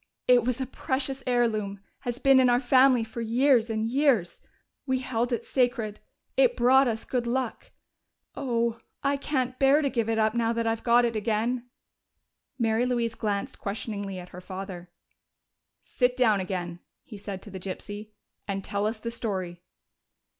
"It was a precious heirloom has been in our family for years and years. We held it sacred; it brought us good luck. Oh, I can't bear to give it up now that I've got it again!" Mary Louise glanced questioningly at her father. "Sit down again," he said to the gypsy, "and tell us the story."